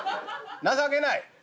情けない」。